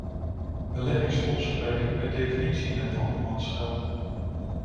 Beleggingsfondsen werken per definitie met andermans geld.